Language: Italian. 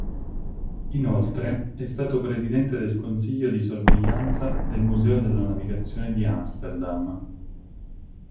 Inoltre è stato presidente del consiglio di sorveglianza del Museo della navigazione di Amsterdam.